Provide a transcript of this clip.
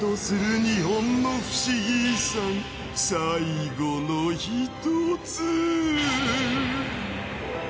最後の１つ